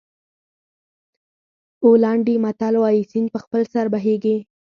پولنډي متل وایي سیند په خپل سر بهېږي.